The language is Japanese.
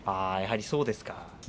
やはりそうですか。